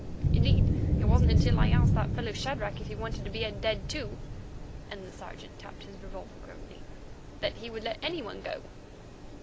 Indeed, it wasn't until I asked that fellow Shadrach if he wanted to be dead too"—and the Sergeant tapped his revolver grimly—"that he would let any one go.